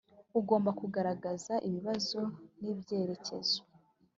ugomba kugaragaza ibibazo n’ibyerekezo